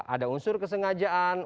ada unsur kesengajaan